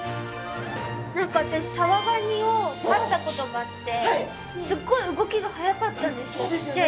私サワガニを飼ったことがあってすっごい動きが速かったんです。